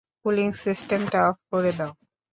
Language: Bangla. কুলিং সিস্টেমটা, অফ করে দাও!